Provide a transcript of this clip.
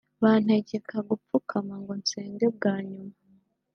bantegeka gupfukama ngo nsege bwanyuma